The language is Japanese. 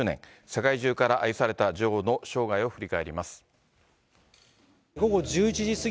世界中から愛された女王の生涯を振り返ります。